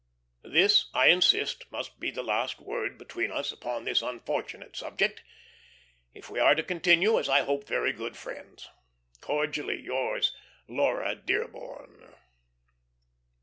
"This, I insist, must be the last word between us upon this unfortunate subject, if we are to continue, as I hope, very good friends. "Cordially yours, "LAURA DEARBORN."